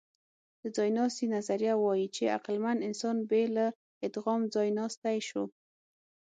د ځایناستي نظریه وايي، چې عقلمن انسان بې له ادغام ځایناستی شو.